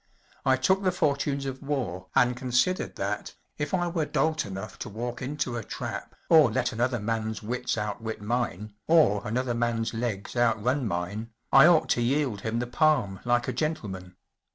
I took the fortunes of war and considered that, if I were dolt enough to walk into a trap or let another man’s wuts outwit mine, or another man’s legs outrun mine, I ought to yield him the palm like a gentleman.